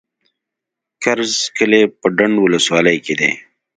کرز کلی په ډنډ ولسوالۍ کي دی.